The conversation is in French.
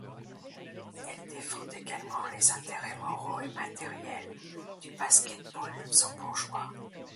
Elle défend également les intérêts moraux et matériels du basket-ball luxembourgeois.